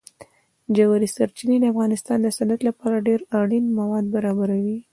ژورې سرچینې د افغانستان د صنعت لپاره ډېر اړین مواد برابروي.